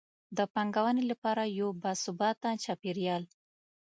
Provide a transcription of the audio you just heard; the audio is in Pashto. د پانګونې لپاره یو باثباته چاپیریال.